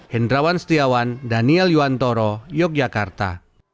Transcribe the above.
hendrawan setiawan daniel yuwantoro yogyakarta